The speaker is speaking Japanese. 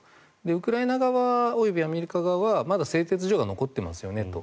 ウクライナ側、及びアメリカ側はまだ製鉄所が残ってますよねと。